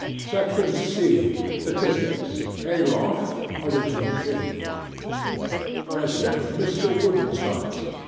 'SECTION C.—STATISTICS. HAY LOFT, ORIGINAL PIG. President—Mr. Woodensconce.